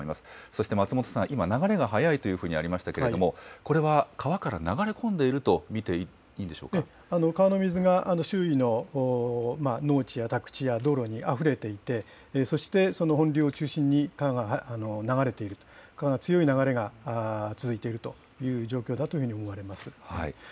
そして松本さん、今、流れが速いというふうにありましたけれども、これは川から流れ込んでいると見ええ、川の水が周囲の農地や宅地や道路にあふれていて、そしてその本流を中心に川が流れている、川が強い流れが続いているという状況だというふうに思われます。